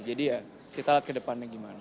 jadi ya kita lihat ke depannya gimana